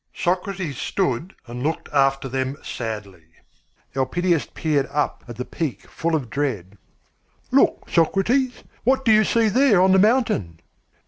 Socrates stood and looked after them sadly. Elpidias peered up at the peak full of dread. "Look, Socrates! What do you see there on the mountain?"